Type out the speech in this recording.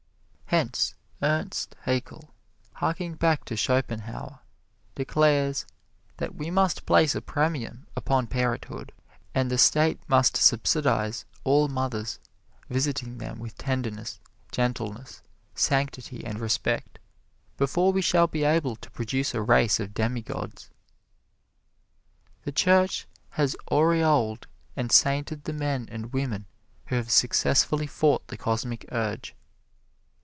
Hence Ernst Haeckel, harking back to Schopenhauer, declares that we must place a premium upon parenthood, and the State must subsidize all mothers, visiting them with tenderness, gentleness, sanctity and respect, before we shall be able to produce a race of demigods. The Church has aureoled and sainted the men and women who have successfully fought the Cosmic Urge.